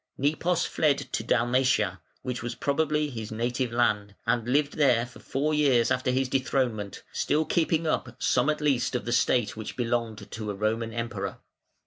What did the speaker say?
Nepos fled to Dalmatia, which was probably his native land, and lived there for four years after his dethronement, still keeping up some at least of the state which belonged to a Roman Emperor.